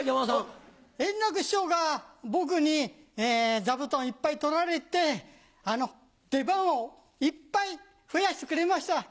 円楽師匠が僕に座布団いっぱい取られて、あの、出番をいっぱい増やしてくれました。